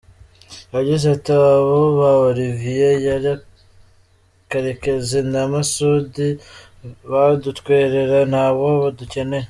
Yagize ati “Abo ba Olivier Karekezi na Masoudi badutwerera ntabo dukeneye.